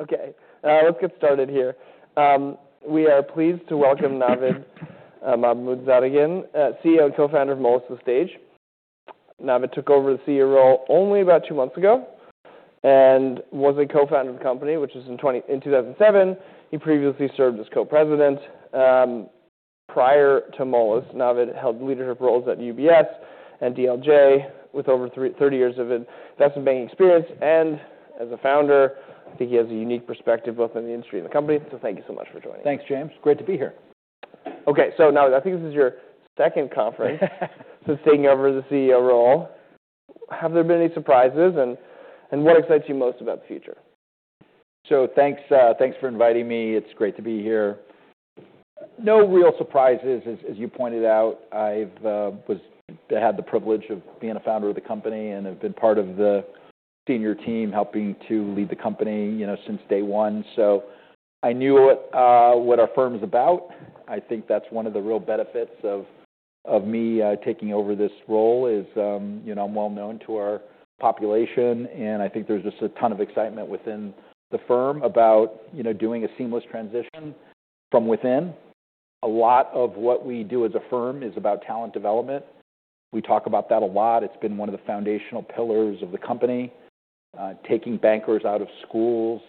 Okay. Let's get started here. We are pleased to welcome Navid Mahmoodzadegan, CEO and Co-founder of Moelis & Company. Navid took over the CEO role only about two months ago and was a co-founder of the company, which was founded in 2007. He previously served as co-president. Prior to Moelis, Navid held leadership roles at UBS and DLJ with over 33 years of investment banking experience and as a founder. I think he has a unique perspective both in the industry and the company. Thank you so much for joining us. Thanks, James. Great to be here. Okay. Now I think this is your second conference since taking over the CEO role. Have there been any surprises and what excites you most about the future? Thanks sir. Thanks for inviting me. It's great to be here. No real surprises. As you pointed out, I've had the privilege of being a founder of the company and have been part of the senior team helping to lead the company, you know, since day one. I knew what our firm's about. I think that's one of the real benefits of me taking over this role is, you know, I'm well-known to our population and I think there's just a ton of excitement within the firm about, you know, doing a seamless transition from within. A lot of what we do as a firm is about talent development. We talk about that a lot. It's been one of the foundational pillars of the company, taking bankers out of schools,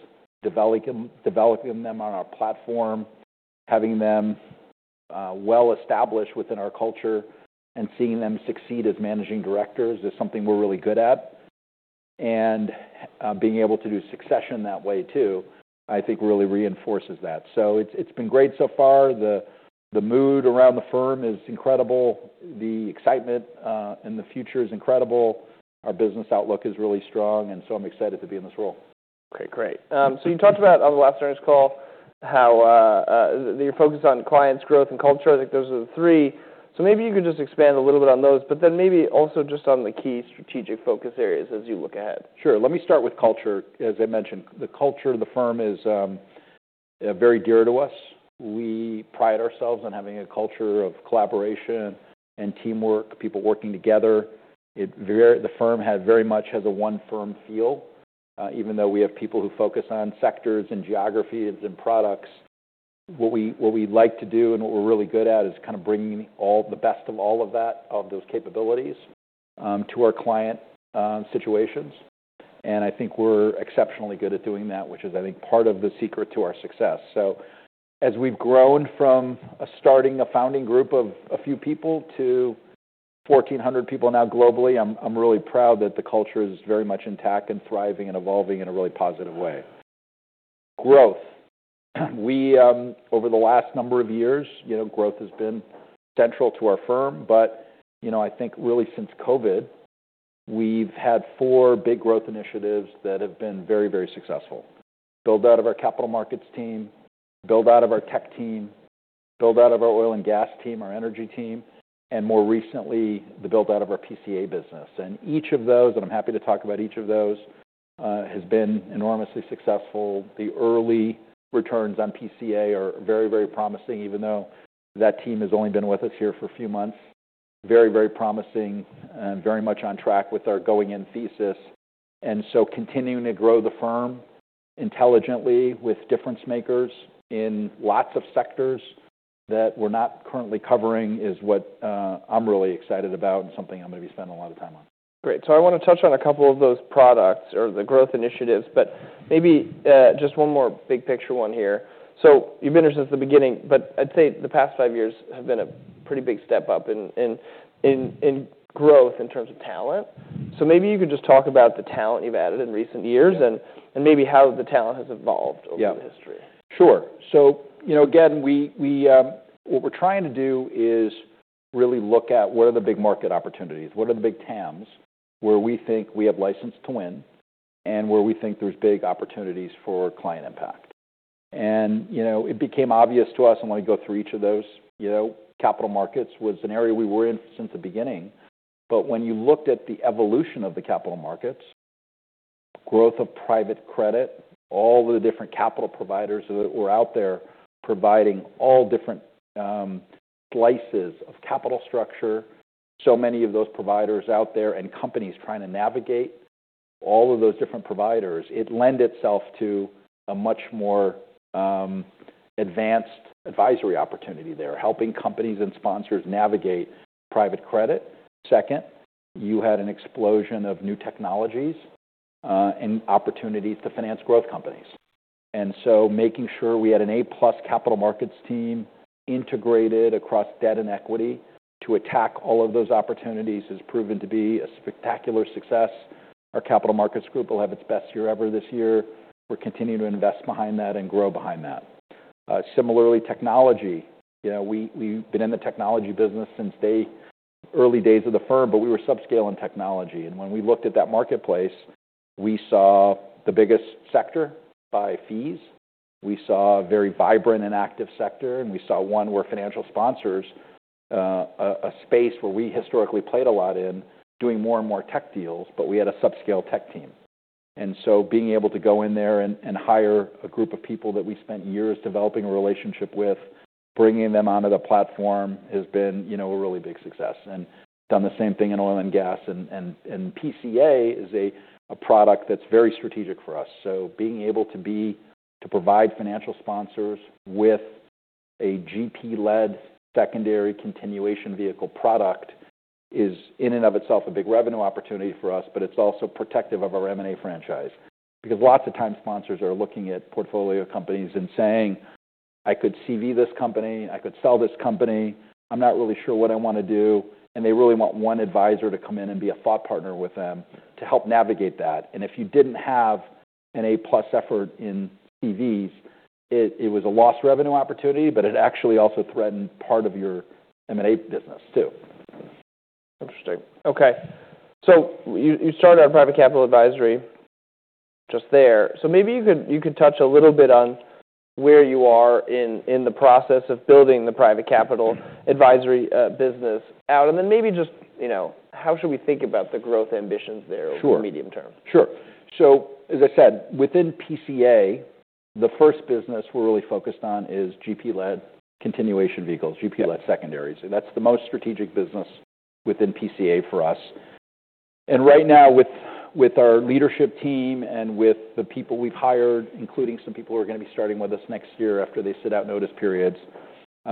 developing them on our platform, having them well-established within our culture and seeing them succeed as managing directors is something we're really good at. Being able to do succession that way too, I think really reinforces that. It's been great so far. The mood around the firm is incredible. The excitement in the future is incredible. Our business outlook is really strong and so I'm excited to be in this role. Okay. Great. You talked about on the last earnings call how, your focus on clients, growth, and culture. I think those are the three. So maybe you could just expand a little bit on those, but then maybe also just on the key strategic focus areas as you look ahead. Sure. Let me start with culture. As I mentioned, the culture of the firm is very dear to us. We pride ourselves on having a culture of collaboration and teamwork, people working together. The firm has very much has a one-firm feel, even though we have people who focus on sectors and geographies and products. What we like to do and what we're really good at is kind of bringing all the best of all of that, of those capabilities, to our clients' situations, and I think we're exceptionally good at doing that, which is, I think, part of the secret to our success. As we've grown from a founding group of a few people to 1,400 people now globally, I'm really proud that the culture is very much intact and thriving and evolving in a really positive way. Growth. We, over the last number of years, you know, growth has been central to our firm, but, you know, I think really since COVID, we've had four big growth initiatives that have been very, very successful: build out of our Capital Markets team, build out of our Technology team, build out of our Oil & Gas team, our Energy team, and more recently, the build out of our PCA business, and each of those, and I'm happy to talk about each of those, has been enormously successful. The early returns on PCA are very, very promising, even though that team has only been with us here for a few months. Very, very promising and very much on track with our going-in thesis. Continuing to grow the firm intelligently with difference makers in lots of sectors that we're not currently covering is what I'm really excited about and something I'm gonna be spending a lot of time on. Great. I wanna touch on a couple of those products or the growth initiatives, but maybe, just one more big picture one here. You've been here since the beginning, but I'd say the past five years have been a pretty big step up in growth in terms of talent. So maybe you could just talk about the talent you've added in recent years and maybe how the talent has evolved over the history. Yeah. Sure. You know, again, what we're trying to do is really look at what are the big market opportunities, what are the big TAMs where we think we have license to win and where we think there's big opportunities for client impact, and you know, it became obvious to us, and let me go through each of those. You know, Capital Markets was an area we were in since the beginning, but when you look at the evolution of the Capital Markets, growth of private credit, all the different capital providers that were out there providing all different slices of capital structure, so many of those providers out there and companies trying to navigate all of those different providers, it lent itself to a much more advanced advisory opportunity there, helping companies and sponsors navigate private credit. Second, you had an explosion of new technologynologies, and opportunities to finance growth companies. And so making sure we had an A-plus Capital Markets team integrated across debt and equity to attack all of those opportunities has proven to be a spectacular success. Our Capital Markets group will have its best year ever this year. We're continuing to invest behind that and grow behind that. Similarly, technologynology, you know, we, we've been in the technologynology business since the early days of the firm, but we were subscale in technologynology. When we looked at that marketplace, we saw the biggest sector by fees. We saw a very vibrant and active sector, and we saw one where financial sponsors, a space where we historically played a lot in doing more and more technology deals, but we had a subscale Technology team. So being able to go in there and hire a group of people that we spent years developing a relationship with, bringing them onto the platform has been, you know, a really big success. And done the same thing in Oil & Gas and PCA is a product that's very strategic for us. Being able to provide financial sponsors with a GP-led secondary continuation vehicle product is in and of itself a big revenue opportunity for us, but it's also protective of our M&A franchise because lots of times sponsors are looking at portfolio companies and saying, "I could CV this company. I could sell this company. I'm not really sure what I wanna do." And they really want one advisor to come in and be a thought partner with them to help navigate that. If you didn't have an A-plus effort in CVs, it was a lost revenue opportunity, but it actually also threatened part of your M&A business too. Interesting. Okay. You started on private capital advisory just there. Maybe you could touch a little bit on where you are in the process of building the private capital advisory business out. And then maybe just, you know, how should we think about the growth ambitions there over the medium term? Sure. Sure. So as I said, within PCA, the first business we're really focused on is GP-led continuation vehicles, GP-led secondaries, and that's the most strategic business within PCA for us. Right now, with our leadership team and with the people we've hired, including some people who are gonna be starting with us next year after they sit out notice periods,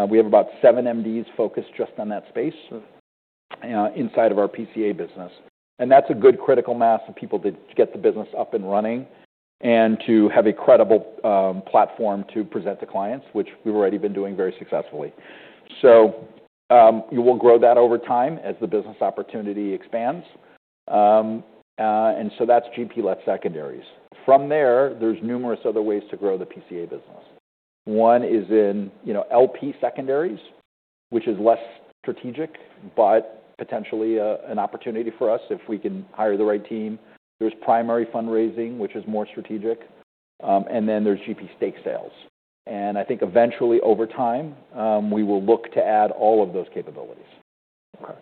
we have about seven MDs focused just on that space, inside of our PCA business, and that's a good critical mass of people to get the business up and running and to have a credible platform to present to clients, which we've already been doing very successfully. You will grow that over time as the business opportunity expands, and so that's GP-led secondaries. From there, there's numerous other ways to grow the PCA business. One is in, you know, LP secondaries, which is less strategic but potentially a, an opportunity for us if we can hire the right team. There's primary fundraising, which is more strategic, and then there's GP stake sales. I think eventually over time, we will look to add all of those capabilities. Okay.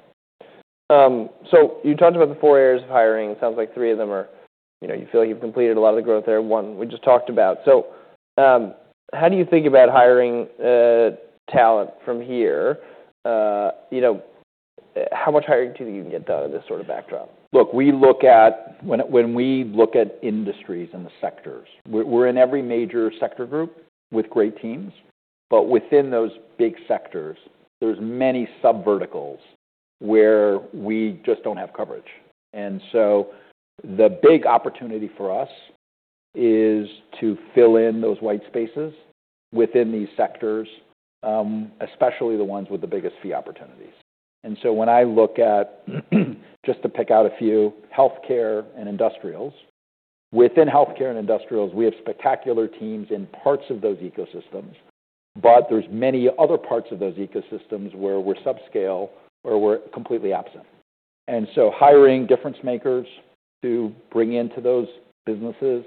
You talked about the four areas of hiring. It sounds like three of them are, you know, you feel like you've completed a lot of the growth there. One we just talked about. How do you think about hiring talent from here? You know, how much hiring do you think you can get done in this sort of backdrop? Look, when we look at industries and the sectors, we're in every major sector group with great teams. But within those big sectors, there's many subverticals where we just don't have coverage. The big opportunity for us is to fill in those white spaces within these sectors, especially the ones with the biggest fee opportunities. When I look at, just to pick out a few, healthcare and industrials. Within healthcare and industrials, we have spectacular teams in parts of those ecosystems, but there's many other parts of those ecosystems where we're subscale or we're completely absent. Hiring difference makers to bring into those businesses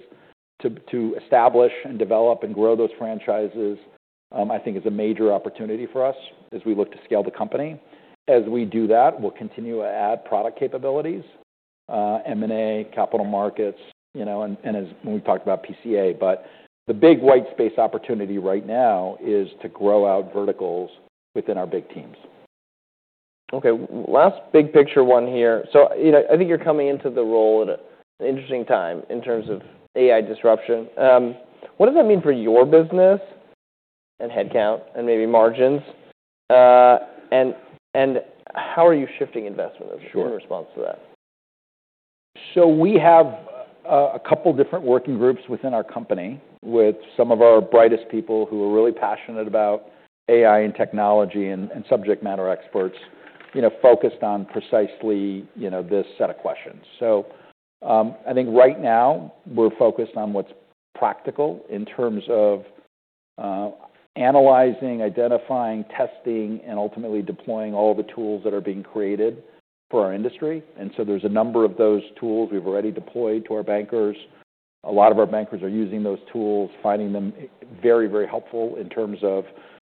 to establish and develop and grow those franchises, I think is a major opportunity for us as we look to scale the company. As we do that, we'll continue to add product capabilities, M&A, Capital Markets, you know, and, and as when we talked about PCA. But the big white space opportunity right now is to grow out verticals within our big teams. Okay. Last big picture one here. You know, I think you're coming into the role at an interesting time in terms of AI disruption. What does that mean for your business and headcount and maybe margins? and, and how are you shifting investment in response to that? Sure. We have a couple different working groups within our company with some of our brightest people who are really passionate about AI and technologynology and subject matter experts, you know, focused on precisely, you know, this set of questions. I think right now we're focused on what's practical in terms of analyzing, identifying, testing, and ultimately deploying all the tools that are being created for our industry. So there's a number of those tools we've already deployed to our bankers. A lot of our bankers are using those tools, finding them very, very helpful in terms of,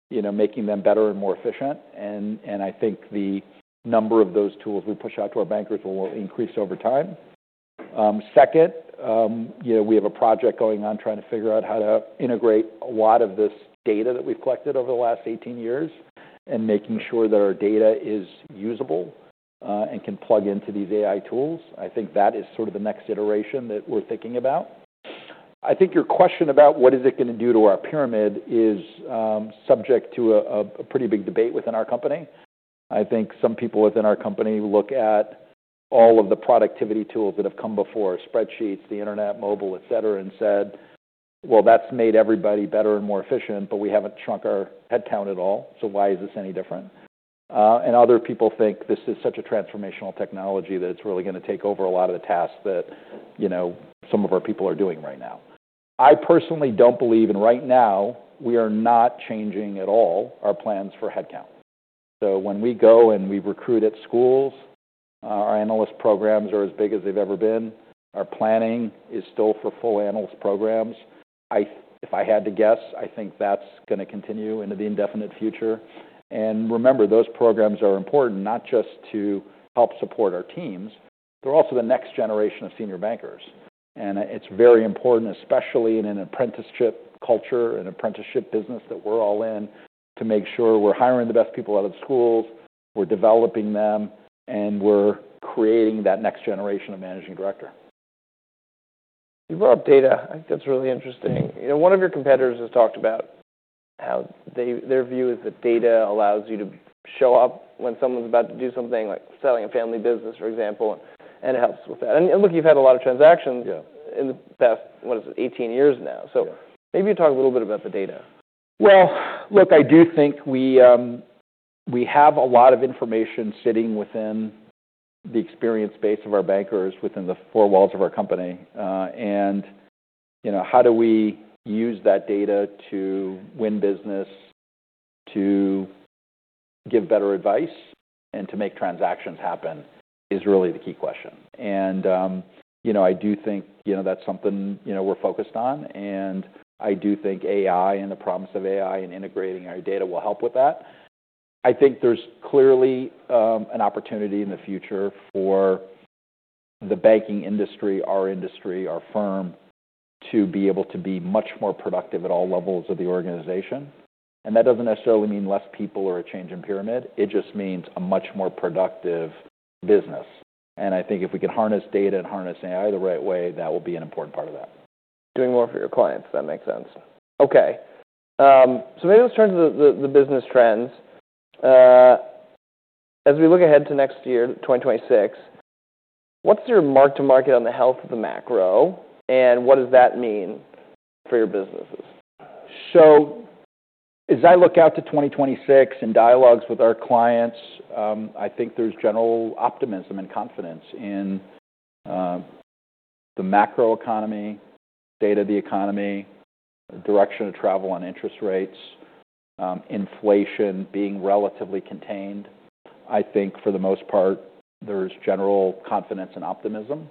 you know, making them better and more efficient. I think the number of those tools we push out to our bankers will increase over time. Second, you know, we have a project going on trying to figure out how to integrate a lot of this data that we've collected over the last 18 years and making sure that our data is usable, and can plug into these AI tools. I think that is sort of the next iteration that we're thinking about. I think your question about what is it gonna do to our pyramid is subject to a pretty big debate within our company. I think some people within our company look at all of the productivity tools that have come before: spreadsheets, the internet, mobile, etc., and said, "Well, that's made everybody better and more efficient, but we haven't shrunk our headcount at all. Why is this any different?" And other people think this is such a transformational technologynology that it's really gonna take over a lot of the tasks that, you know, some of our people are doing right now. I personally don't believe, and right now we are not changing at all our plans for headcount. So when we go and we recruit at schools, our analyst programs are as big as they've ever been. Our planning is still for full analyst programs. If I had to guess, I think that's gonna continue into the indefinite future. Remember, those programs are important not just to help support our teams, they're also the next generation of senior bankers. It's very important, especially in an apprenticeship culture, an apprenticeship business that we're all in, to make sure we're hiring the best people out of the schools, we're developing them, and we're creating that next generation of Managing Director. You brought up data. I think that's really interesting. You know, one of your competitors has talked about how their view is that data allows you to show up when someone's about to do something, like selling a family business, for example, and it helps with that. Look, you've had a lot of transactions. Yeah. In the past, what is it, 18 years now. So maybe you talk a little bit about the data. Yeah. Look, I do think we have a lot of information sitting within the experience base of our bankers within the four walls of our company. You know, how do we use that data to win business, to give better advice, and to make transactions happen is really the key question. You know, I do think, you know, that's something, you know, we're focused on. I do think AI and the promise of AI and integrating our data will help with that. I think there's clearly an opportunity in the future for the banking industry, our industry, our firm to be able to be much more productive at all levels of the organization. That doesn't necessarily mean less people or a change in pyramid. It just means a much more productive business. I think if we can harness data and harness AI the right way, that will be an important part of that. Doing more for your clients. That makes sense. Okay, so maybe let's turn to the business trends. As we look ahead to next year, 2026, what's your mark-to-market on the health of the macro and what does that mean for your businesses? As I look out to 2026 in dialogues with our clients, I think there's general optimism and confidence in the macro economy, state of the economy, direction of travel on interest rates, inflation being relatively contained. I think for the most part there's general confidence and optimism.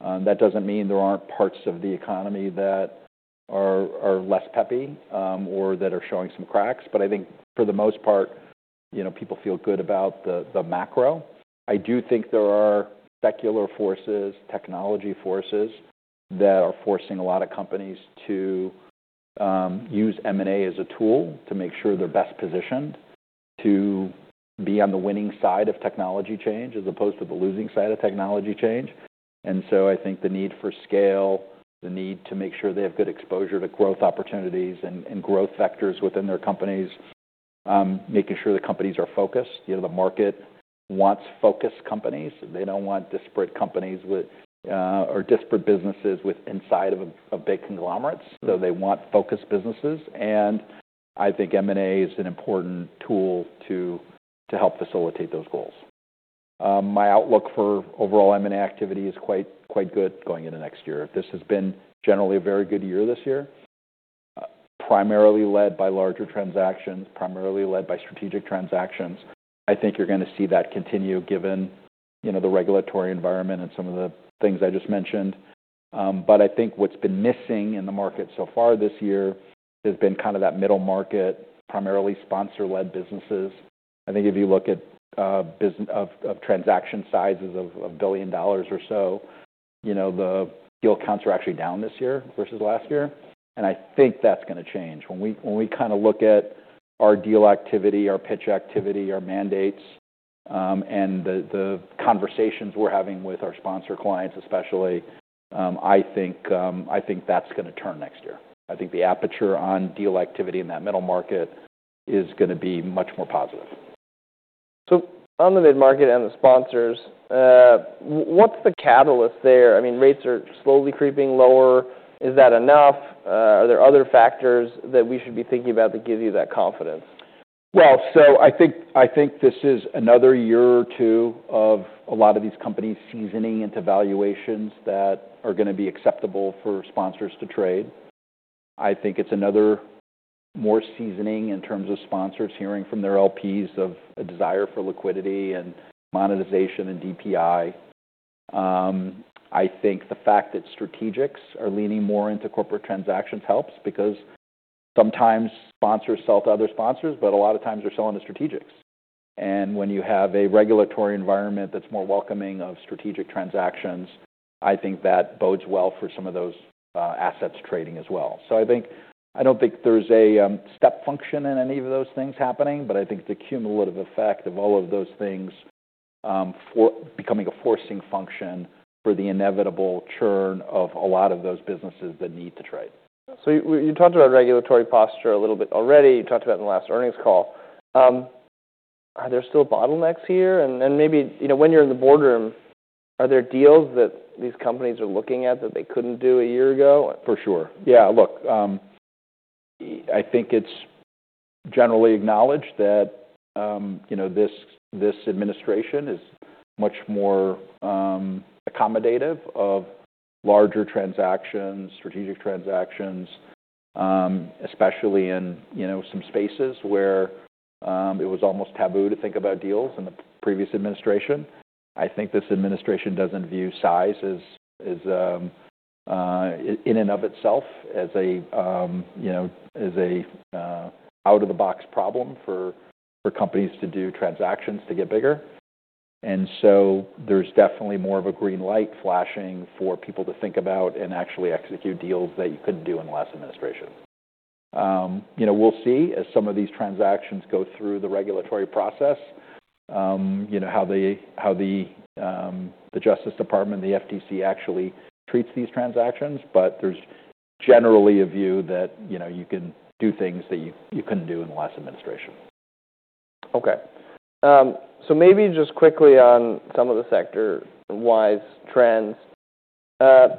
That doesn't mean there aren't parts of the economy that are less peppy, or that are showing some cracks. But I think for the most part, you know, people feel good about the macro. I do think there are secular forces, technologynology forces that are forcing a lot of companies to use M&A as a tool to make sure they're best positioned to be on the winning side of technologynology change as opposed to the losing side of technologynology change. So I think the need for scale, the need to make sure they have good exposure to growth opportunities and, and growth vectors within their companies, making sure the companies are focused. You know, the market wants focused companies. They don't want disparate companies with, or disparate businesses with inside of a, a big conglomerate. So they want focused businesses. I think M&A is an important tool to, to help facilitate those goals. My outlook for overall M&A activity is quite, quite good going into next year. This has been generally a very good year this year, primarily led by larger transactions, primarily led by strategic transactions. I think you're gonna see that continue given, you know, the regulatory environment and some of the things I just mentioned. But I think what's been missing in the market so far this year has been kind of that middle market, primarily sponsor-led businesses. I think if you look at business of transaction sizes of $1 billion or so, you know, the deal counts are actually down this year versus last year. I think that's gonna change. When we kind of look at our deal activity, our pitch activity, our mandates, and the conversations we're having with our sponsor clients, especially, I think that's gonna turn next year. I think the aperture on deal activity in that middle market is gonna be much more positive. On the mid-market and the sponsors, what's the catalyst there? I mean, rates are slowly creeping lower. Is that enough? Are there other factors that we should be thinking about that give you that confidence? I think, I think this is another year or two of a lot of these companies seasoning into valuations that are gonna be acceptable for sponsors to trade. I think it's another more seasoning in terms of sponsors hearing from their LPs of a desire for liquidity and monetization and DPI. I think the fact that strategics are leaning more into corporate transactions helps because sometimes sponsors sell to other sponsors, but a lot of times they're selling to strategics. When you have a regulatory environment that's more welcoming of strategic transactions, I think that bodes well for some of those assets trading as well. I think I don't think there's a step function in any of those things happening, but I think the cumulative effect of all of those things for becoming a forcing function for the inevitable churn of a lot of those businesses that need to trade. You talked about regulatory posture a little bit already. You talked about it in the last earnings call. Are there still bottlenecks here? And maybe, you know, when you're in the boardroom, are there deals that these companies are looking at that they couldn't do a year ago? For sure. Yeah. Look, I think it's generally acknowledged that, you know, this administration is much more accommodative of larger transactions, strategic transactions, especially in, you know, some spaces where it was almost taboo to think about deals in the previous administration. I think this administration doesn't view sizes, as in and of itself as a, you know, out-of-the-box problem for companies to do transactions to get bigger. So there's definitely more of a green light flashing for people to think about and actually execute deals that you couldn't do in the last administration. You know, we'll see as some of these transactions go through the regulatory process, you know, how the Justice Department, the FTC actually treats these transactions. But there's generally a view that, you know, you can do things that you couldn't do in the last administration. Okay. Maybe just quickly on some of the sector-wise trends.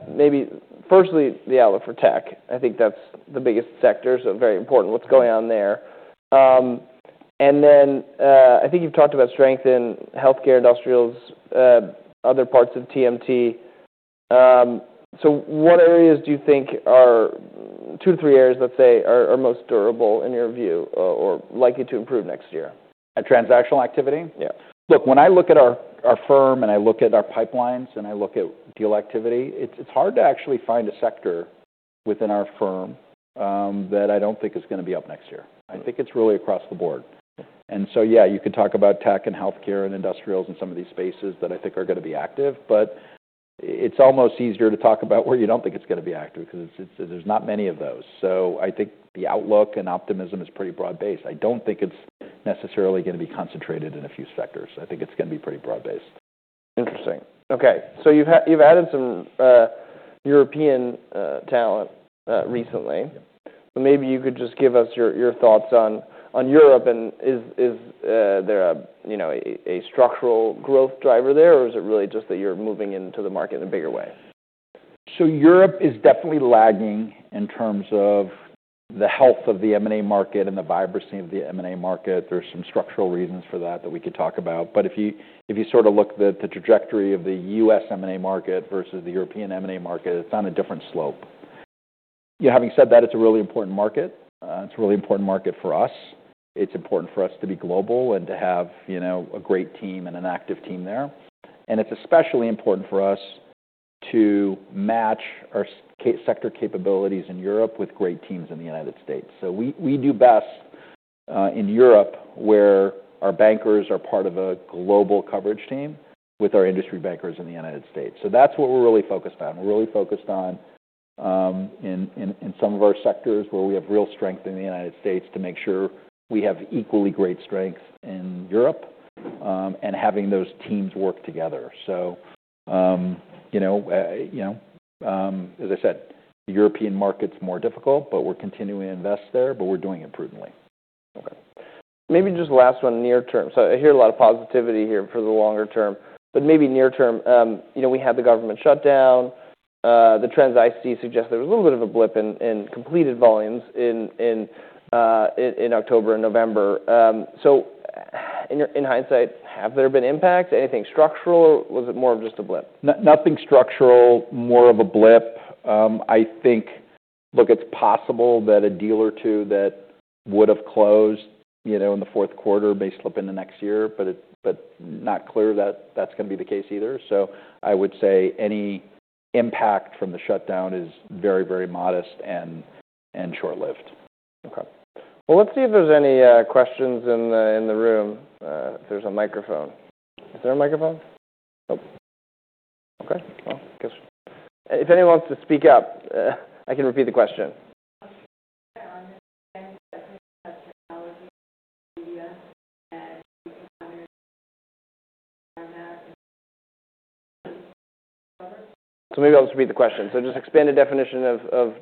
Maybe firstly, the outlook for technology. I think that's the biggest sector, so very important what's going on there. Then, I think you've talked about strength in healthcare, industrials, other parts of TMT. What areas do you think are two to three areas, let's say, are most durable in your view, or likely to improve next year? transactional activity? Yeah. Look, when I look at our firm and I look at our pipelines and I look at deal activity, it's hard to actually find a sector within our firm that I don't think is gonna be up next year. I think it's really across the board. And so, yeah, you could talk about technology and healthcare and industrials and some of these spaces that I think are gonna be active. But it's almost easier to talk about where you don't think it's gonna be active 'cause it's, there's not many of those. So I think the outlook and optimism is pretty broad-based. I don't think it's necessarily gonna be concentrated in a few sectors. I think it's gonna be pretty broad-based. Interesting. Okay. So you've added some European talent recently. Maybe you could just give us your thoughts on Europe and is there a, you know, a structural growth driver there or is it really just that you're moving into the market in a bigger way? Europe is definitely lagging in terms of the health of the M&A market and the vibrancy of the M&A market. There's some structural reasons for that that we could talk about. But if you sort of look at the trajectory of the U.S. M&A market versus the European M&A market, it's on a different slope. You know, having said that, it's a really important market. It's a really important market for us. It's important for us to be global and to have, you know, a great team and an active team there. It's especially important for us to match our sector capabilities in Europe with great teams in the United States. We do best in Europe where our bankers are part of a global coverage team with our industry bankers in the United States. So that's what we're really focused on. We're really focused on in some of our sectors where we have real strength in the United States to make sure we have equally great strength in Europe, and having those teams work together. You know, as I said, the European market's more difficult, but we're continuing to invest there, but we're doing it prudently. Okay. Maybe just the last one, near term. I hear a lot of positivity here for the longer term, but maybe near term, you know, we had the government shutdown. The trends I see suggest there was a little bit of a blip in completed volumes in October and November. In hindsight, have there been impacts? Anything structural or was it more of just a blip? Nothing structural, more of a blip. I think, look, it's possible that a deal or two that would've closed, you know, in the fourth quarter may slip into next year, but it, but not clear that that's gonna be the case either. So I would say any impact from the shutdown is very, very modest and, and short-lived. Okay. Well, let's see if there's any questions in the room. If there's a microphone. Is there a microphone? Nope. Okay. Well, I guess if anyone wants to speak up, I can repeat the question. So maybe I'll just repeat the question. So just expand the definition of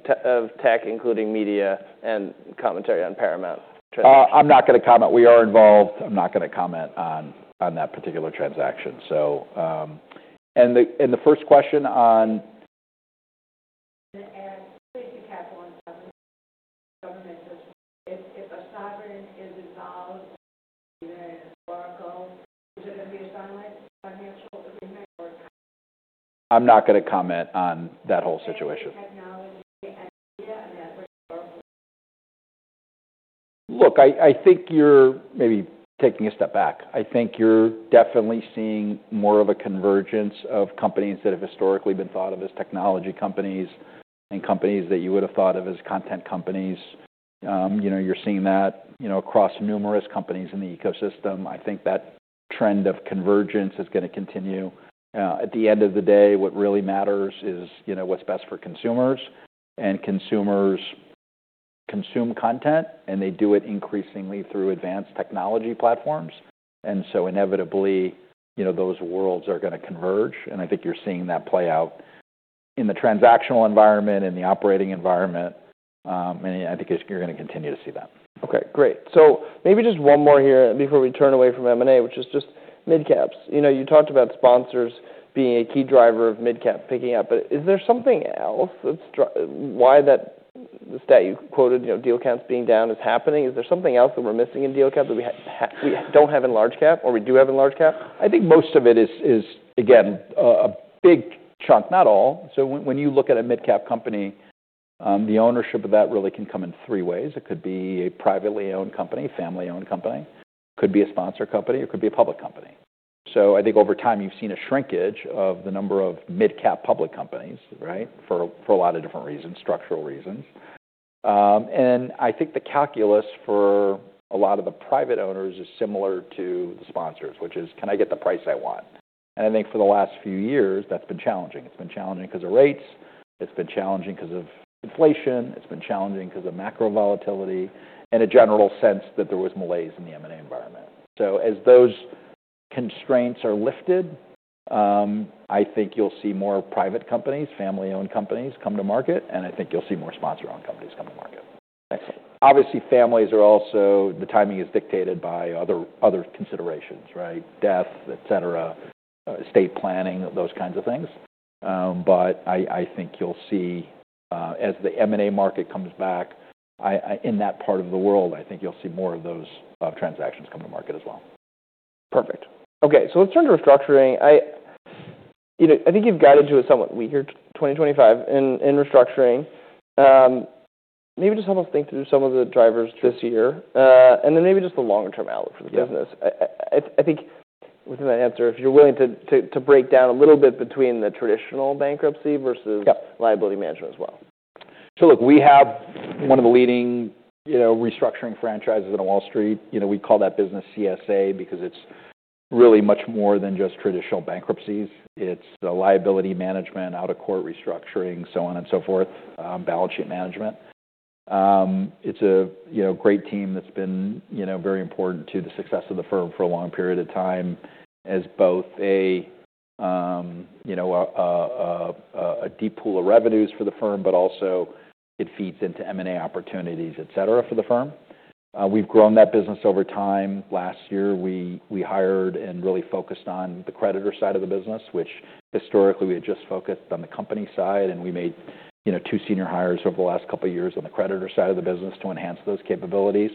technology, including media and commentary on Paramount transactions. I'm not gonna comment. We are involved. I'm not gonna comment on that particular transaction. So, and the first question on. And please be careful on sovereign government. If a sovereign is involved in [inaudible] I'm not gonna comment on that whole situation. Look, I think you're maybe taking a step back. I think you're definitely seeing more of a convergence of companies that have historically been thought of as technologynology companies and companies that you would've thought of as content companies. You know, you're seeing that, you know, across numerous companies in the ecosystem. I think that trend of convergence is gonna continue. At the end of the day, what really matters is, you know, what's best for consumers, and consumers consume content, and they do it increasingly through advanced technologynology platforms, and so inevitably, you know, those worlds are gonna converge, and I think you're seeing that play out in the transactional environment, in the operating environment, and I think you're gonna continue to see that. Okay. Great. So maybe just one more here before we turn away from M&A, which is just mid-caps. You know, you talked about sponsors being a key driver of mid-cap picking up. But is there something else that's driving why that stat you quoted, you know, deal counts being down is happening? Is there something else that we're missing in mid-cap that we don't have in large cap or we do have in large cap? I think most of it is, again, a big chunk, not all. When you look at a mid-cap company, the ownership of that really can come in three ways. It could be a privately owned company, family-owned company, could be a sponsor company, or could be a public company. I think over time, you've seen a shrinkage of the number of mid-cap public companies, right, for a lot of different reasons, structural reasons, and I think the calculus for a lot of the private owners is similar to the sponsors, which is, can I get the price I want? I think for the last few years, that's been challenging. It's been challenging 'cause of rates. It's been challenging 'cause of inflation. It's been challenging 'cause of macro volatility and a general sense that there was malaise in the M&A environment. So as those constraints are lifted, I think you'll see more private companies, family-owned companies come to market. And I think you'll see more sponsor-owned companies come to market. Excellent. Obviously, families are also the timing is dictated by other considerations, right? Death, etc., estate planning, those kinds of things. But I think you'll see, as the M&A market comes back, in that part of the world, I think you'll see more of those transactions come to market as well. Perfect. Okay. So let's turn to restructuring. I, you know, I think you've got into a somewhat weaker 2025 in restructuring. Maybe just help us think through some of the drivers this year, and then maybe just the longer-term outlook for the business. Yeah. I think within that answer, if you're willing to break down a little bit between the traditional bankruptcy versus liability management as well. Look, we have one of the leading, you know, restructuring franchises on Wall Street. You know, we call that business CSA because it's really much more than just traditional bankruptcies. It's liability management, out-of-court restructuring, so on and so forth, balance sheet management. It's a, you know, great team that's been, you know, very important to the success of the firm for a long period of time as both a, you know, deep pool of revenues for the firm, but also it feeds into M&A opportunities, etc., for the firm. We've grown that business over time. Last year, we hired and really focused on the creditor side of the business, which historically we had just focused on the company side. We made, you know, two senior hires over the last couple of years on the creditor side of the business to enhance those capabilities.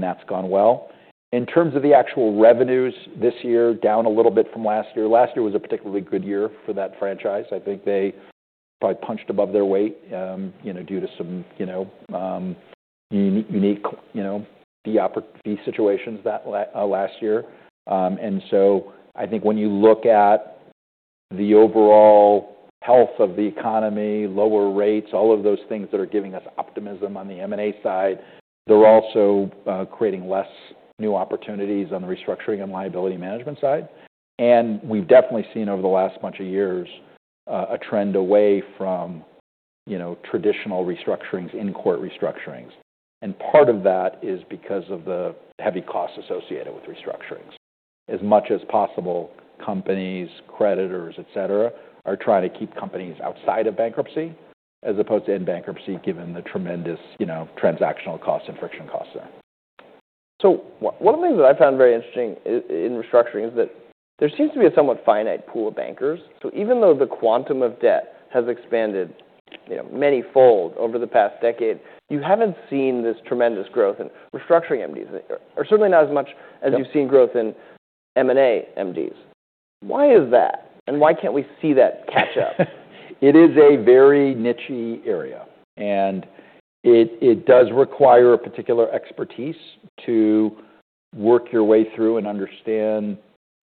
That's gone well. In terms of the actual revenues this year, down a little bit from last year, last year was a particularly good year for that franchise. I think they probably punched above their weight, you know, due to some, you know, unique, you know, fee opportunity situations that last year. I think when you look at the overall health of the economy, lower rates, all of those things that are giving us optimism on the M&A side, they're also creating less new opportunities on the restructuring and liability management side. We've definitely seen over the last bunch of years, a trend away from, you know, traditional restructurings, in-court restructurings. Part of that is because of the heavy costs associated with restructurings. As much as possible, companies, creditors, etc., are trying to keep companies outside of bankruptcy as opposed to in bankruptcy given the tremendous, you know, transactional costs and friction costs there. One of the things that I found very interesting in restructuring is that there seems to be a somewhat finite pool of bankers. So even though the quantum of debt has expanded, you know, many-fold over the past decade, you haven't seen this tremendous growth in restructuring MDs. There are certainly not as much as you've seen growth in M&A MDs. Why is that? And why can't we see that catch up? It is a very niche area, and it does require a particular expertise to work your way through and understand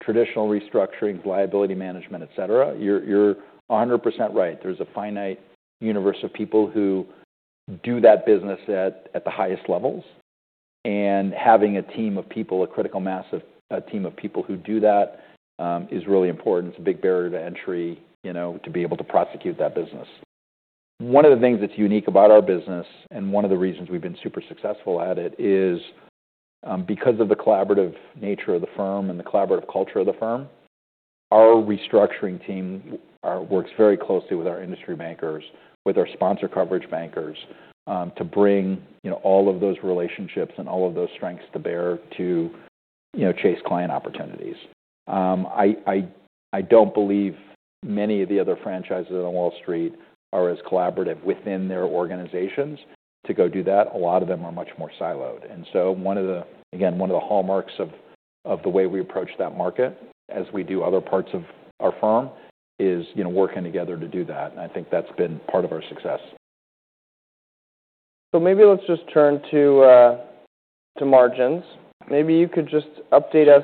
traditional restructurings, liability management, etc. You're 100% right. There's a finite universe of people who do that business at the highest levels, and having a team of people, a critical mass of a team of people who do that, is really important. It's a big barrier to entry, you know, to be able to prosecute that business. One of the things that's unique about our business and one of the reasons we've been super successful at it is, because of the collaborative nature of the firm and the collaborative culture of the firm, our restructuring team works very closely with our industry bankers, with our sponsor coverage bankers, to bring, you know, all of those relationships and all of those strengths to bear to, you know, chase client opportunities. I don't believe many of the other franchises on Wall Street are as collaborative within their organizations to go do that. A lot of them are much more siloed, and so one of the, again, one of the hallmarks of the way we approach that market as we do other parts of our firm is, you know, working together to do that, and I think that's been part of our success. Maybe let's just turn to margins. Maybe you could just update us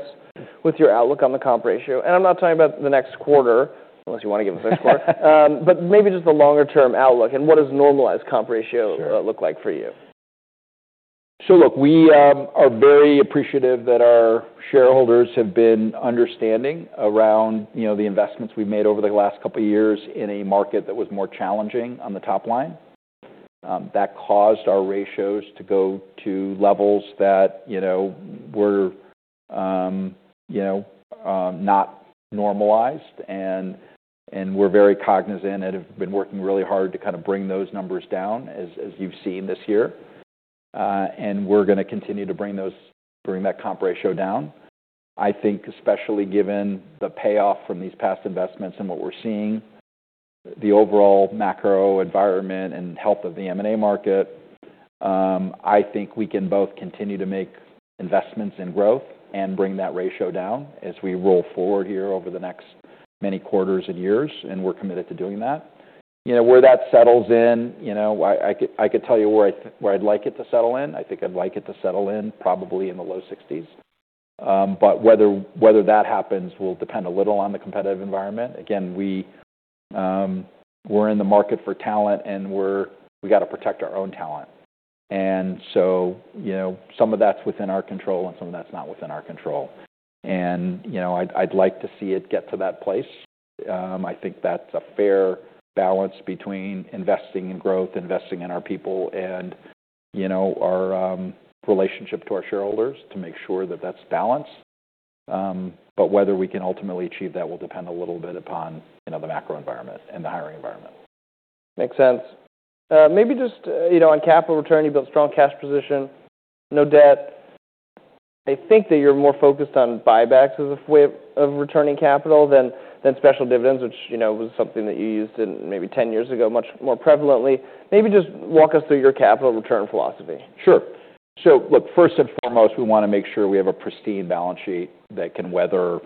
with your outlook on the comp ratio. I'm not talking about the next quarter unless you wanna give us a quarter. But maybe just the longer-term outlook and what does normalized comp ratio look like for you? Look, we are very appreciative that our shareholders have been understanding around, you know, the investments we've made over the last couple of years in a market that was more challenging on the top line. That caused our ratios to go to levels that, you know, were, you know, not normalized. We're very cognizant and have been working really hard to kind of bring those numbers down as you've seen this year. We're gonna continue to bring that comp ratio down. I think especially given the payoff from these past investments and what we're seeing, the overall macro environment and health of the M&A market, I think we can both continue to make investments in growth and bring that ratio down as we roll forward here over the next many quarters and years. We're committed to doing that. You know, where that settles in, you know, I could tell you where I'd like it to settle in. I think I'd like it to settle in probably in the low 60s, but whether that happens will depend a little on the competitive environment. Again, we're in the market for talent, and we gotta protect our own talent. You know, some of that's within our control and some of that's not within our control. I'd like to see it get to that place. I think that's a fair balance between investing in growth, investing in our people, and, you know, our relationship to our shareholders to make sure that that's balanced, but whether we can ultimately achieve that will depend a little bit upon, you know, the macro environment and the hiring environment. Makes sense. Maybe just, you know, on capital return, you built a strong cash position, no debt. I think that you're more focused on buybacks as a way of returning capital than special dividends, which, you know, was something that you used in maybe 10 years ago much more prevalently. Maybe just walk us through your capital return philosophy. Sure, so look, first and foremost, we wanna make sure we have a pristine balance sheet that can weather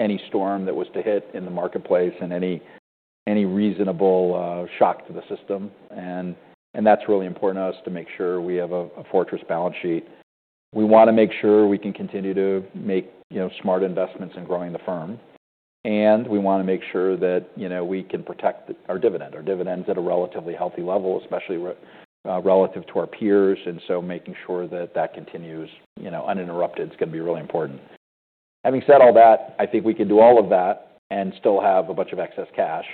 any storm that was to hit in the marketplace and any reasonable shock to the system, and that's really important to us to make sure we have a fortress balance sheet. We wanna make sure we can continue to make, you know, smart investments in growing the firm, and we wanna make sure that, you know, we can protect our dividend. Our dividends at a relatively healthy level, especially relative to our peers, and so making sure that that continues, you know, uninterrupted is gonna be really important. Having said all that, I think we can do all of that and still have a bunch of excess cash.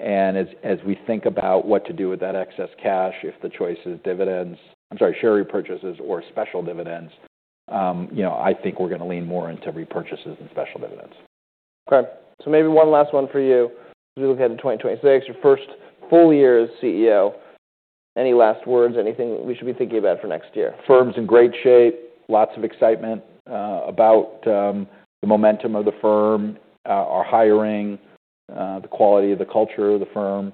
As we think about what to do with that excess cash, if the choice is dividends, I'm sorry, share repurchases or special dividends, you know, I think we're gonna lean more into repurchases than special dividends. Okay. So maybe one last one for you as we look ahead to 2026, your first full year as CEO. Any last words, anything we should be thinking about for next year? Firm's in great shape. Lots of excitement about the momentum of the firm, our hiring, the quality of the culture of the firm.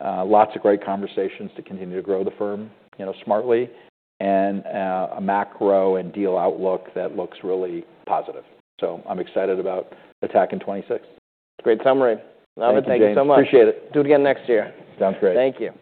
Lots of great conversations to continue to grow the firm, you know, smartly. And a macro and deal outlook that looks really positive. So I'm excited about the technology in 2026. Great summary. Thank you. I appreciate it. Do it again next year. Sounds great. Thank you.